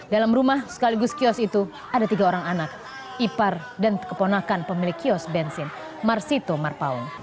dalam rumah sekaligus kios itu ada tiga orang anak ipar dan keponakan pemilik kios bensin marsito marpaung